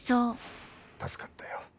助かったよ